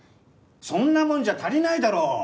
そんなもんじゃ足りないだろう